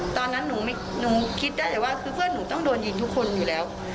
ตอนนั้นหนูคิดได้แต่ว่าคือเพื่อนหนูต้องโดนยิงทุกคนอยู่แล้ว